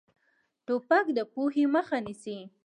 توپک د پوهې مخه نیسي.